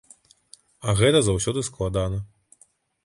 А гэта заўсёды складана.